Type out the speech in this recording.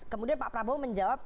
kemudian pak prabowo menjawab